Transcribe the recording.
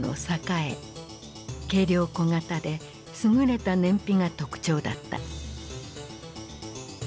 軽量・小型で優れた燃費が特徴だった。